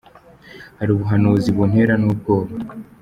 Hari ubuhanuzi buntera nubwoba